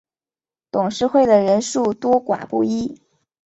董事会的人数多寡不一。